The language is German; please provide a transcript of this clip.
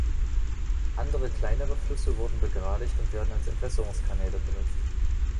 Andere kleinere Flüsse wurden begradigt und werden als Entwässerungskanäle benutzt.